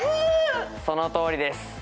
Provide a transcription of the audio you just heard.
そのとおりです。